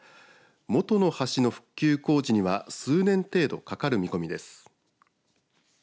元の橋の復旧工事には数年程度かかる見込みです。